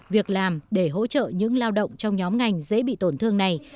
việc làm để hỗ trợ những lao động trong nhóm ngành dễ bị tổn thương này